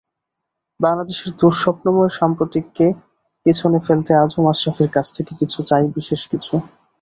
বাংলাদেশের দুঃস্বপ্নময় সাম্প্রতিককে পেছনে ফেলতে আজও মাশরাফির কাছ থেকে চাই বিশেষ কিছু।